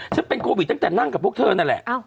เป็นโควิดตั้งแต่นั่งกับพวกเธอนั่นแหละ